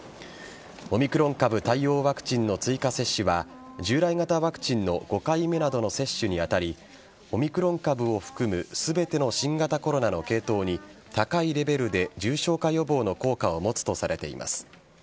オミクロン株対応ワクチンの追加接種は従来型ワクチンの５回目などの接種に当たりオミクロン株を含む全ての新型コロナの系統に高いレベルで重症化予防の効果を持つとされています。